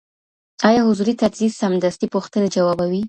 ايا حضوري تدريس سمدستي پوښتنې جوابوي؟